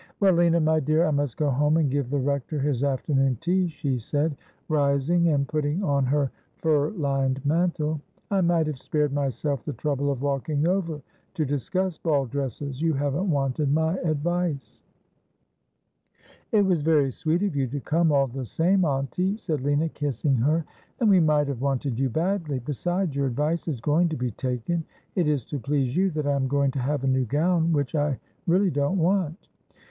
Well, Lina, my dear, I must go home and give the Rector his afternoon tea.' she said, rising and putting on her fur lined mantle. ' I might have spared myself the trouble of walking over to discuss the ball dresses. You haven't wanted my ad vice.' 'It was very sweet of you to come all the same, auntie,' said Lina, kissing her, ' and we might have wanted you badly. Besides, your advice is going to be taken. It is to please you that I am going to have a new gown — which I really don't want.'